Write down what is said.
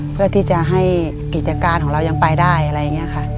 เพื่อที่จะให้กิจการของเรายังไปได้อะไรอย่างนี้ค่ะ